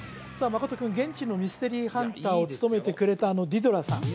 真君現地のミステリーハンターを務めてくれたあのディドラさん